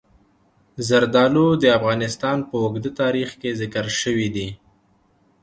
زردالو د افغانستان په اوږده تاریخ کې ذکر شوي دي.